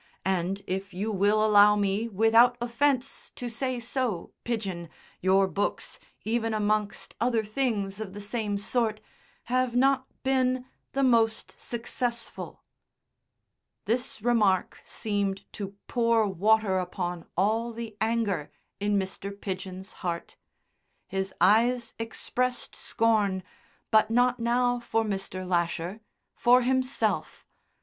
And, if you will allow me, without offence, to say so, Pidgen, your books, even amongst other things of the same sort, have not been the most successful." This remark seemed to pour water upon all the anger in Mr. Pidgen's heart. His eyes expressed scorn, but not now for Mr. Lasher for himself.